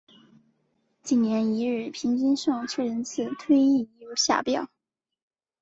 近年一日平均上车人次推移如下表。